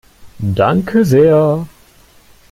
Danke sehr!